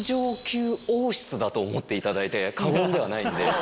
だと思っていただいて過言ではないんで。